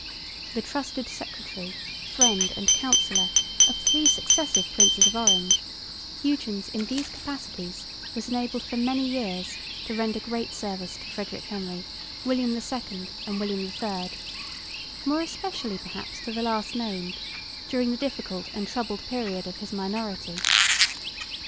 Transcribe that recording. The trusted secretary, friend and counsellor of three successive Princes of Orange, Huyghens in these capacities was enabled for many years to render great service to Frederick Henry, William II and William III, more especially perhaps to the last named during the difficult and troubled period of his minority.